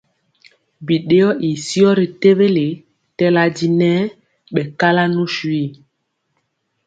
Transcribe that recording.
Biɗeyɔ ii syɔ ri tewele tɛla di nɛ ɓɛ kala nu swi.